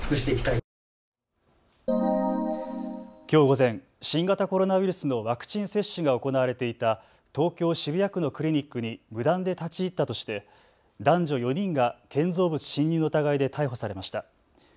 きょう午前、新型コロナウイルスのワクチン接種が行われていた東京渋谷区のクリニックに無断で立ち入ったとして男女４人が建造物侵入の疑いで逮捕されました。